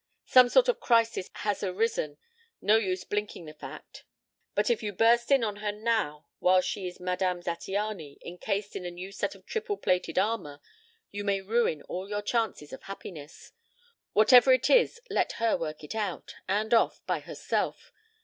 Some sort of crisis has arisen, no use blinking the fact, but if you burst in on her now, while she is Madame Zattiany, encased in a new set of triple plated armor, you may ruin all your chances of happiness. Whatever it is let her work it out and off by herself.